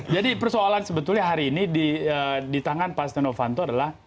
jadi persoalan sebetulnya hari ini di tangan pak novanto adalah